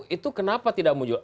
itu kenapa tidak muncul